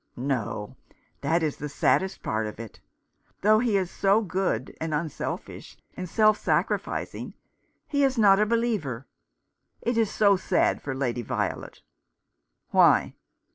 "No, that is the saddest part of it. Though he is so good, and unselfish, and self sacrificing, he is not a believer. It is so sad for Lady Violet." "Why?"